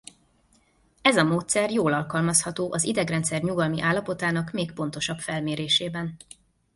Ez a módszer jól alkalmazható az idegrendszer nyugalmi állapotának még pontosabb felmérésében.